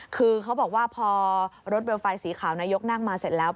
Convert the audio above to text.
คือเขาบอกว่าพอรถเวลไฟสีขาวนายกนั่งมาเสร็จแล้ว